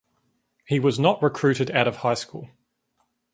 He was not recruited out of high school.